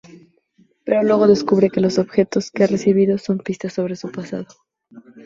Pero luego descubre que los objetos que ha recibido son pistas sobre su pasado.